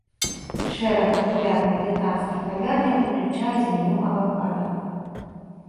Шэраг папулярных брытанскіх кавярняў выключае з меню авакада.